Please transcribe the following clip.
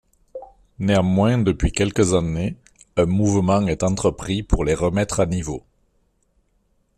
Néanmoins depuis quelques années un mouvement est entrepris pour les remettre à niveau.